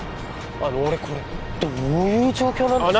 あの俺これどういう状況なんでしょう